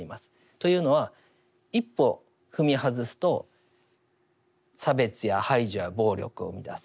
というのは一歩踏み外すと差別や排除や暴力を生みだす。